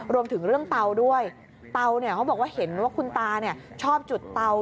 รวมถึงเรื่องเตาด้วยเตาเนี่ยเขาบอกว่าเห็นว่าคุณตาชอบจุดเตา